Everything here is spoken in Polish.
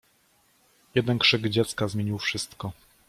Jeden krzyk dziecka zmienił wszystko.